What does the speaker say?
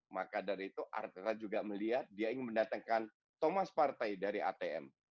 maka dari itu artera juga melihat dia ingin mendatangkan thomas partai dari atm